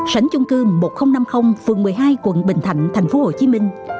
sảnh chung cư một nghìn năm mươi phường một mươi hai quận bình thạnh thành phố hồ chí minh